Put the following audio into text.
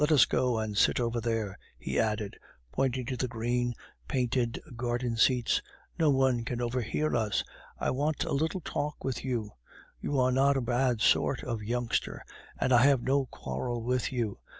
Let us go and sit over there," he added, pointing to the green painted garden seats; "no one can overhear us. I want a little talk with you. You are not a bad sort of youngster, and I have no quarrel with you.